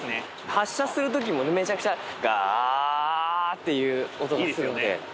発車するときもめちゃくちゃ、がーっていう音がして。